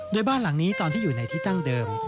โดยบ้านหลังนี้ตอนที่อยู่ในที่ตั้งเดิม